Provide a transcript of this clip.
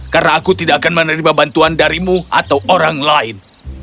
karena aku tidak akan menerima bantuan darimu atau orang lain